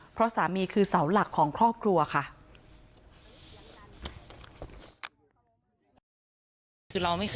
เพราะสามีคือเสาหลักของครอบครัวค่ะ